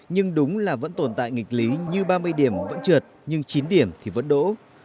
nhưng đúng là vẫn tồn tại nghịch lý như ba mươi điểm vẫn trượt nhưng chín điểm thì vẫn đỗ